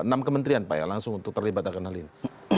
enam kementerian pak ya langsung untuk terlibat akan hal ini